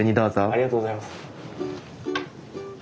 ありがとうございます。